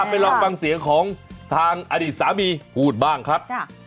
ไปลองฟังเสียงของทางอดีตสามีพูดบ้างครับ